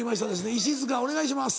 石塚お願いします。